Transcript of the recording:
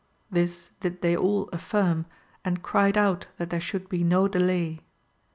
This did they all aJ05rm, and cried out that there should be no delay.